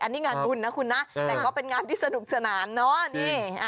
อันนี้งานบุญนะคุณนะแต่ก็เป็นงานที่สนุกสนานเนาะ